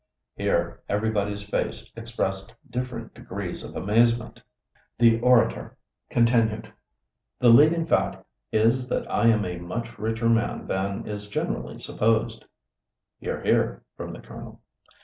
Here everybody's face expressed different degrees of amazement. The orator continued. "The leading fact is that I am a much richer man than is generally supposed." ("Hear, hear," from the Colonel.)